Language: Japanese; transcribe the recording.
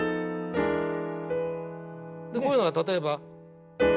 こういうのが例えば。